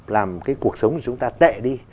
làm cái cuộc sống của chúng ta tệ đi